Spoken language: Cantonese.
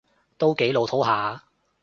都幾老套吓